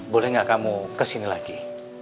boleh nggak kamu kesini lagi